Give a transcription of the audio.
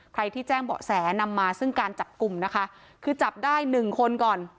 ใครที่แจ้งเบาะแสนำมาซึ่งการจับกลุ่มนะคะคือจับได้หนึ่งคนก่อน